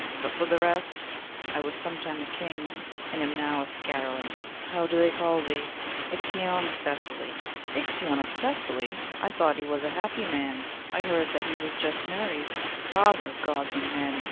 But for the rest, I was sometime a king, and am now a scatterling.' 'How do they call thee? 'Ixion of Thessaly.' 'Ixion of Thessaly! I thought he was a happy man. I heard that he was just married.' 'Father of Gods and men!